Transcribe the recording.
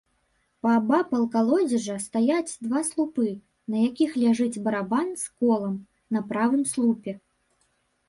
Паабапал калодзежа стаяць два слупы, на якіх ляжыць барабан з колам на правым слупе.